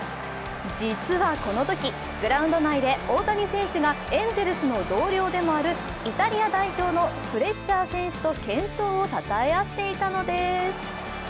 実はこのときグランド内で大谷選手がエンゼルスの同僚でもあるイタリア代表のフレッチャー選手と健闘をたたえ合っていたのです。